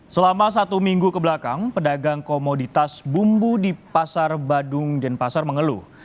selama satu minggu kebelakang pedagang komoditas bumbu di pasar badung denpasar mengeluh